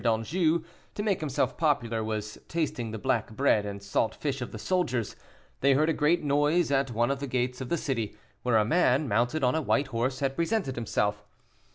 d'Anjou, to make himself popular, was tasting the black bread and salt fish of the soldiers, they heard a great noise at one of the gates of the city, where a man, mounted on a white horse, had presented himself.